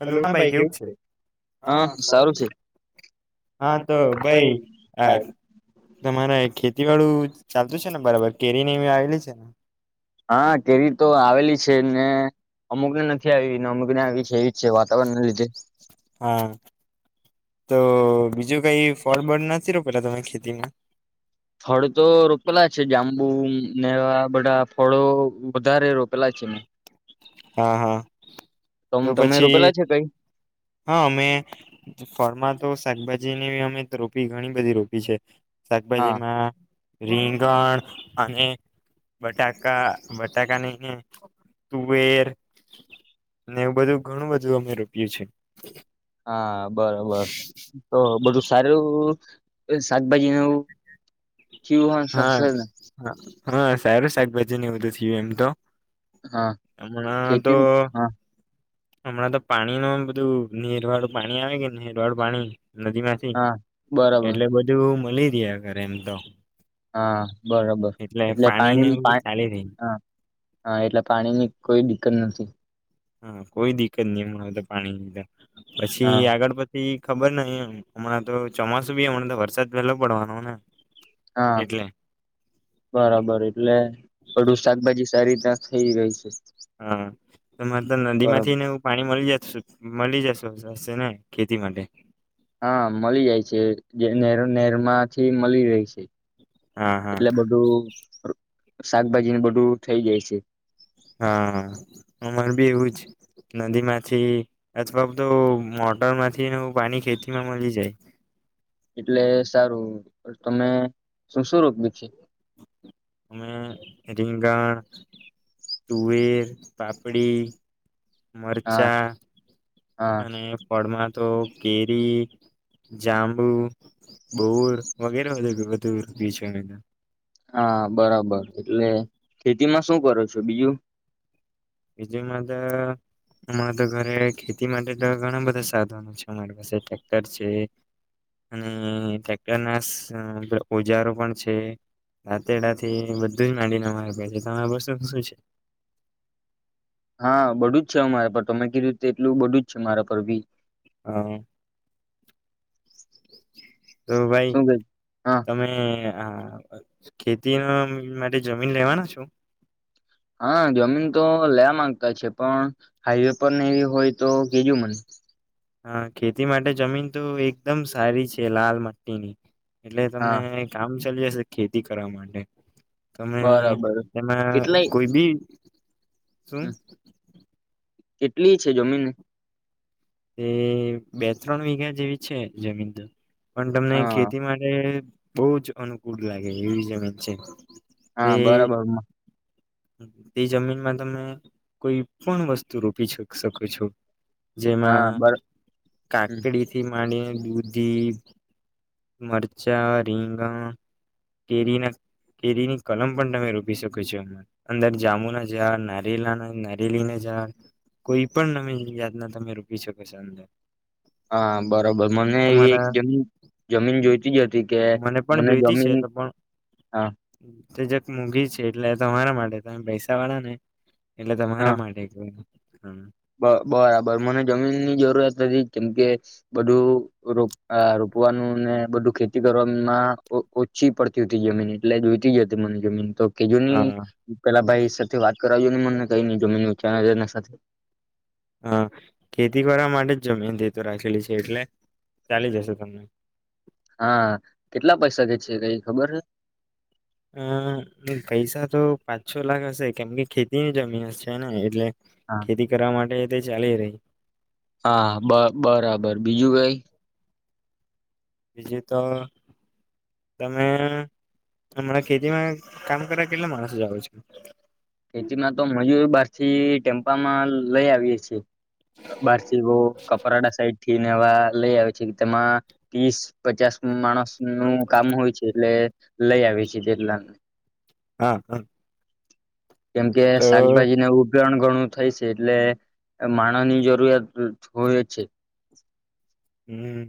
હ હા ભાઈ કેવું છે હા સારું હ છે હા તો ભાઈ આ તમારે ખેતી વાડું ચાલતું છે ને બરાબર કેરી આવેલી છે ને હા કેરી તો આવેલી છે ને અમુકને નથી આવી ને અમુકને આવી છે એવી છે વાતાવરણ ના લીધે. હા તો બીજું કઈ ફળ બળ નથી રો પેલા તમે ખેતીમાં ફળ તો રોપેલા છે જાંબુ નેવા બધા ફળો વધારે રોપેલા છે ને. હા હા તો તમે પછી રોપેલા છે કઈ હા અમે ફરમા તો શાકભાજી ની અમે તો રોપી ઘણી બધી રોપી છે. શાકભાજી હા માં રીંગણ અને બટાકા બટાકાનેને તુવેર ને એવું બધું ઘણું બધું અમે રોપય્યું છે. હા બરોબર તો બધું સારું. શાકભાજી નવ કવું હન હા સસ્ને. હા સારું શાકભાજી નને બધું થયું એમ તો. હા મ તો ખેતી હા હમણાં તો પાણી નુ બધું નેરવાળું પાણી આવે કે, નેરવાળું પાણી નદી માંથી. હા બરાબર એટલે બધું મળી રહ્યા ઘરે એમ તો હા બરોબર એટલે પાણી ને એવું ચાલી રહી પાણી ની પાઈપ હમ્મ કોઈ દિકકત નહી હમારે પાણી ની પછી હા આગળ પછી ખબર નહી. એમ હમણાં તો ચોમાસું બી હમણાં તો વરસાદ પેલો પડવાનો ને હા એટલે બરાબર એટલે બધુ શાકભાજી તારીતા થઇ રહી છે. હા મરે તો નદી બરાબર માંથી ને એવું પાણી મળી જ મળી જશોશે ને ખેતી માટે? હા મળી જાય છે. જેર નેર નેરમાંથી મળી રહે છે. હા હા એટલે બધું શાકભાજી બધું થઇ જાય છે. હા. અમર બી એવું જ નદી માંથી, અથવા બધુ મોટર માંથી પાણી ખેતી માં મળી જાય. એટલે સારું તમે શું શું બીછ અમે રીંગણ, તુવેર, પાપડી હા મરચાં હા અને પ હમણાં તો કેરી, જાંબુ, બોર વગેરે [unintelligible] હા બરાબર એટલે ખેતીમાં શું કરો છો બીજું? બીજું માતો અમારે તો ઘરે ખેતી માટે તો ઘણા બધા સાધનો છે અમારી પાસે. ટ્રેક્ટર છે, અને ટ્રેક્ટર ના સ ઓજારો પણ છે, રાતેડાથી બધું જ માંડીને તમારી પાસે. તમારે પાસે શું છે? હા બધું જ છે અમારે પણ. તમે કીધું એટલું બધું જ છે મારા પર ભી. હા. [inaudible] તો ભાઈ શું કે હા તમે હા ખેતી ન માટે જમીન લેવાના છો? હા જમીન તો લેવા માંગતા છે. પણ હાઈવે પર ને એવી હોય તો કેજો મન હા ખેતી માટે જમીન તો એકદમ સારી છે લાલ મટ્ટીની. એટલે તમને હા કામ ચલી જશે ખેતી કરવા માટે. તમે બરાબર એમાં કેટલાય કોઈ બી સમ હમ કેટલી છે જમીન? એ બે ત્રણ વીઘા જેવી છે જમીન તો પણ તમને હા ખેતી માટે બૌજ અનુકૂળ લાગે એવી જમીન છે. તે હા બરાબર મ તે જમીનમાં તમે કોઈ પણ વસ્તુ રોપી શક-શકો છો. જેમાં હા બર [inaudible] હમ, કાકડી થી માંડીને દૂધી, મરચાં, રીંગણ, કેરી ના કેરી ની કલમ પણ તમે રોપી શકો છો એમાં અંદર જાંમુના ઝાડ નારેલાના નારેલી ના ઝાડ કોઈ પણ તમે જાતના તમે રો પી સકોસો અંદર હા બરોબર મને એવી એક તમારા જમીન જમીન જોઈ તી અતી કે પણ મને જોઈતી છે જમીન તો પણ હા તે જક મુંઘી છે એટલે તમારા માટે તમ પૈસા વાળા ને એટલે હા તમારા માટે કેય હમ્મ બ બરાબર મને જમીનની જરૂરત હતી કેમકે બધું રો અ રોપવાનું ને બધું ખેતી કરવામાં ઓ-ઓછી પડતી હતી જમીન એટલે જોઈતી જ હતી મન જમીન તો કેજૂન હા પેલા ભાઈ સાથે વાત કરાવ્યું ને મન કઈ નઈ જમીન [unintelligible] એના સાથે હા ખેતી કરવા માટે જ જમીન તે તો રાખેલી છે એટલે ચાલી જશે તમને હા અ કેટલા પૈસા છે કઈ ખબર હ અમ્મ પૈસા તો પાંચ છો લાખ હશે કેમ કે ખેતીની જમીન હછે ને એટલે હા ખેતી કરવા માટે તે ચાલી રેય હા બ બરાબર બીજું કઈ? બીજું તો [inaudible] તમે હમણાં ખેતીમાં કામ કરવા કેટલા માણસો જાઓ છો? ખેતીમાં તો મજુર બારથી થી ટેમ્પા માં લઈ આવીએે છે. બારસી વો કપરાડા સાઈડ થી નઆવા લઈ આવે છે તેમાં તીસ પચાસ માણસ નું કામ હોય છે એટલે લઈ આવી છી [unintelligible] હા હ કેમ કે શાકભાજીને ઉ [unintelligible] ઘણું થઈ છે એટલે માણહ ની જરૂરિયાત હોય છે. હમ્મ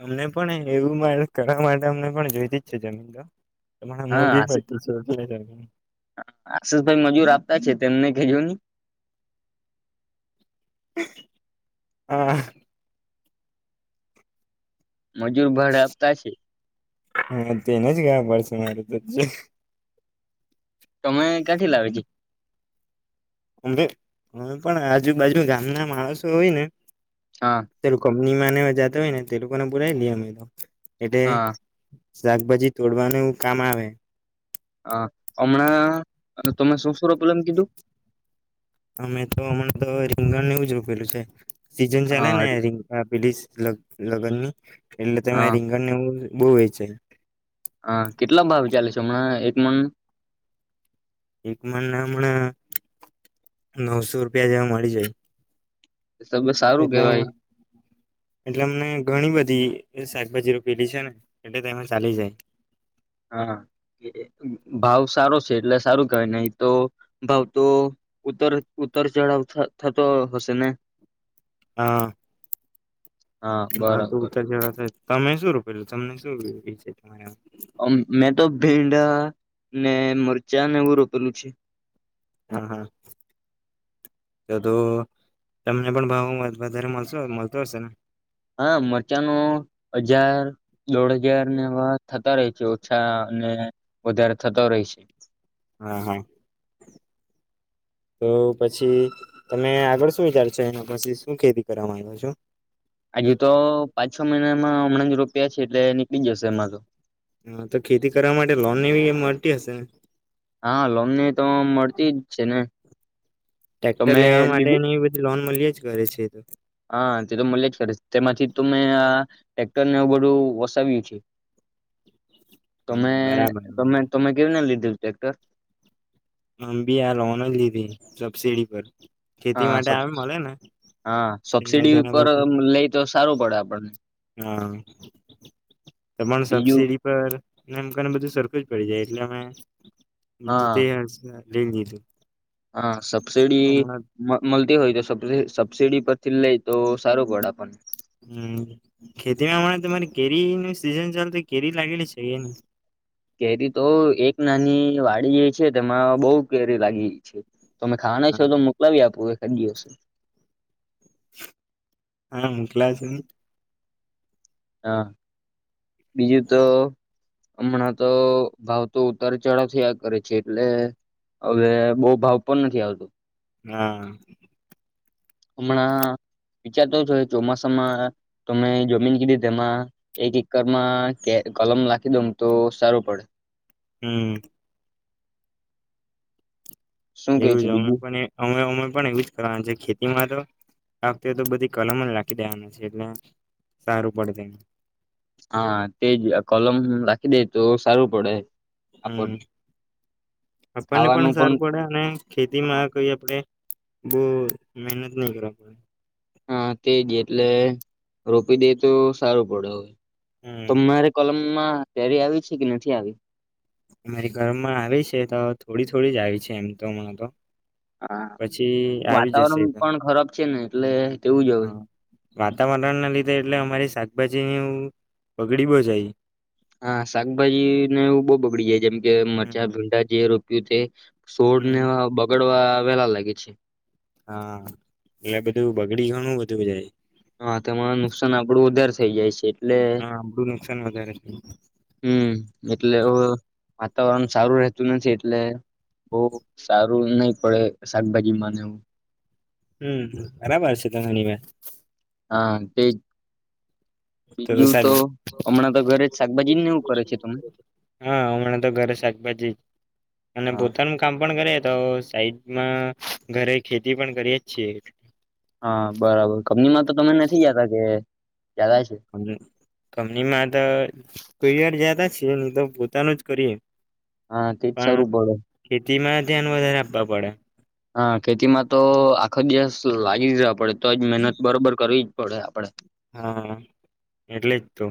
[inaudible] અમને પણ એવું મારે કરવા માટે અમને પણ જોઈતી જ છે જમીન તો મને હા મોંઘી આશિષ પડતી છે એટલે હમ્મ આશિષભાઈ મજૂર આપતા છે તેમને ખેજોની હા મજૂર ભાડ આપતા છે. હા તેને જ [unintelligible] તમે ક્યાંથી લાવીજ? અમે અમે પણ આજુબાજુ ગામના માણસો હોય ને હા. માને મજાતો હોય ને તે લોકોને પુરાઈ લઈએ. અમે તો હા [unintelligible] શાકભાજી તોડવાનું એું કામ આવે. હ હમણાં તમે શું સ્વરૂપલ એમ કીધું? અમે તો હમણાં તો રીમણ એવું જ રોપેલું છે. સીઝન ચાલે ને હા રિંકા. [unintelligible] લગ્ન ની. એલતા મે. હા [unintelligible] બવે છે. હા, કેટલા ભાવ ચાલે છે હમણાં એક મન? એકમાન ના હમણા નવસો રૂપિયા જેવા મળી જાય. તો બસ સારું એટલે કેવાય એટલે અમને ઘણી બધી એ શાકભાજી પેલી છે ને એટલે તો એમાં ચાલી જાય. હા ભાવ સારો છે એટલે સારું કય નહી તો ભાવ તો ઉતર ઉતર ચઢાવ થતો હશે ને. હા. હા ના તો બરાબર ઉતા જવા થાય તમે શું રું પેલું તમને શું? એ છે. મેં તો ભીંડા ને મરચાં ને એવું રોપેલું છે. હા, હા તો તો તમને પણ ભાવ વધારે મળ મળતો હશે ને. હા મરચાંનો હજાર દોઢ હજાર વા થતા રહે છે ઓછા અને વધારે થતો રહે છે. હા હા, તો પછી તમે આગળ શું વિચાર છો. એના પછી શું ખેતી કરવાવામાં આવ્યો છો. આજુ તો પાંચ છ મહિના હમણાં રૂપિયા છે એટલે નીકળી જશે એમાં તો. હા તો ખેતી કરવા માટે લોન એવી એ મળતી હશે. હા [unintelligible] ને તો મળતી જ છે ને. ટ્રેક્ટર તમે લેવા લીધી માટેની એ બધી લોન મળીએ. રજ કરે છે તો. હા તે તો મળે જ ખરે છે. તેમાંથી ત મેં આ ટ્રેક્ટરને બધું વસાવ્યું છે. હમ તમે બરાબર તમે બરાબર તમે કેવીને લીધું. ટ્રેક્ટર. હં બી આ લોન જ લીધી. સબસીિડી પર ખેતી હા સ માટે આવે મળે ને હા સબસીડી તેના પર પછી લઈ તો સારું પડે આપણને. હા તમા બીજું સબસીડી પરને એમ કને બધું સરકારું જ પડી જાય એટલે અમે બધ હા તે હશે લંગી જ હા સબસીડી મળતી હોય તો સબડીબ સબસીડી પરથી લઈ તો સારું પળ આપણને. હમ ખેતીમાંમણા તમારે કેરી ન સિઝન ચાાલ તો કેરી લાગેલી છે એ? કેરી તો એક નાની વાડી જે છે તેમાં બહ કેરી લાગી છે. તમે ખાના છો તો મોકલાવી આપો. તંજિવસું હા મોકલાવો છે ને. હા. બીજું તો હમણાં તો ભાવ તો ઉતાર ચઢાવથીયા કરે છે એટલે હવે બહ ભાવ પણ નથી આવતો. હા. હમણાં વિચારતો છો ચોમાસામાં તમે જમીન કીધી તેમાં એક એકરમાં કલમ લખી દઉ તો સારું પડે. હમ. શું કે એવું છે જ અમે બીજું પણ અમે અમે પણ એવું જ કરવાનું છે ખેતીમાં તો આખતે તો બધી કલમ જ લખી દેવાના છે એટલે સારું પડશે. હા તે જ કોલમ રાખી દે તો સારું પડે. હમ આપણને આપણને પણ સારું પડે અને ખેતી માં કઈ આપડણે બહ મહેનત નહી કરા પાયા. હા તેજ એટલે રોપી દે તો સારું પડેવે. હમ તમારે કલમ પરી આવી છે કે નથી આવી? અમારી ઘરમાં આવી છે તો થોડી થોડી જ આવી છે એમ તો એમના તો. હા પછી આવી જશે વાતાવરણ પણ ખરાબ છે ને એટલે તેવું જવે. વાતાવરણ ના લીધે એટલે અમારી શાકભાજી ન બગડી બો જાય. હા શાકભાજીને એવું બહુ બગડી જાય જેમ હમ મરચા, ભીંડા જે રોપ્યું તે. સોડ ને હમ બગડવા આવે હેલા લાગી છે. હા એટલે બધું બગડી ઘણું બધું જાય. થઈ જાય છે. એટલે, હા આપડું નુકસાન વધારે છે હમ એટલે વાતાવરણ સારું રહેતું નથી એટલે, બહ સારું નહ પડે શાકભાજી માને એવું. હમ બરાબર હ છે ત હણી મે. હા તેજ. તો તો ઘરે જ શાકભાજી ને એવું કરે છે તમે હા હમણાં તો ઘરે શાકભાજી, અને હા પોતાનું કામ પણ કરે તો સાઈ માં, ઘરે ખેતી પણ કરીયે જ છીએ. હા બરાબર કંપનીમાં તો તમે નથી જતા કે? જતા છે અને કંપનીમાં તો કોઈ યાર જાત દા છીએ નહી તો પોતાનો જ કરીએ. હા, તેજ સારું પડે. તેમાં ધ્યાન વધારે આપવા પડે. હા, ખેતીમાં તો આખો દિવસ લાગી જવા પડે. તોજ મહેનત બરોબર કરવી પડે આપડે. હા, એટલેજ તો.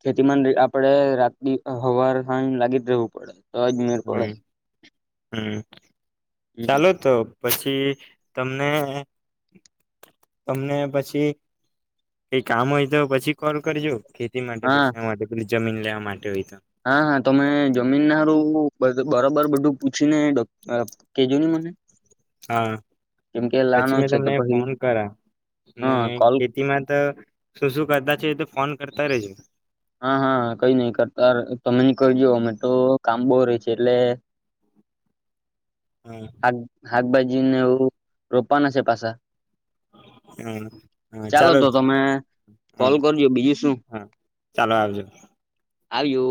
ખેતીમાં ની આપડે રાત ને હવાર હાંજા લાગી જ રહેવું પડે. તોજ મેડ પડે. હમ હમ હમ ચાલો તો પછી તમને તમને પછી કઈ કામ હોય તો પછી કોલ કરજો. ખેતી માટે હા પૂછ્યા માટે પેલી જમીન લેવા માટે હોય. તો હા હા તમે જમીન નારું બદો બરોબર બધું પૂછીને અહ અહ કેજો ને મને. હા, કેમ કે લાનો પછી મેં છે તો તમને પછી ફોન કર્યા અને હા કોલ ખેતીમાં તો શું શું કરતા છે તો ફોન કરતા રેજો. હા હા કઈ નઈ કરતા તમે ન કરજ અમે તો કામ બહુ ર છે એટલે. હમ. શાકભાજીને એવું રોપવાના છે પાસા. હમ હા ચાલો તો તમે કોલ હમ કરજો બીજું શું હા ચાલો આવજો. આવજો.